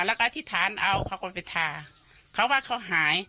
แล้วก็อธิษฐานเอาเขาก็ไปทาเขาว่าเขาหาย